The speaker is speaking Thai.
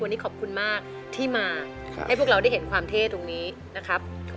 วันนี้ขอบคุณมากที่มาให้พวกเราได้เห็นความเท่ตรงนี้นะครับ